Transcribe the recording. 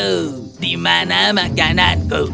oh di mana makananku